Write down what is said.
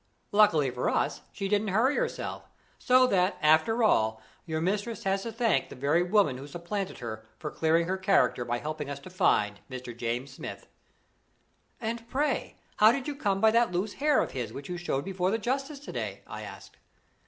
Luckily for us, she didn't hurry herself; so that, after all, your mistress has to thank the very woman who supplanted her for clearing her character by helping us to find Mr. James Smith." "And, pray, how did you come by that loose hair of his which you showed before the justice to day?" I asked.